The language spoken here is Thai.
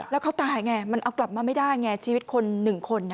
แล้วเขาตายไงมันเอากลับมาไม่ได้ไงชีวิตคนหนึ่งคน